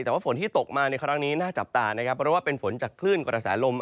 แต่ว่าฝนที่ตกมาในครั้งนี้น่าจับตานะครับเพราะว่าเป็นฝนจากคลื่นกระแสลม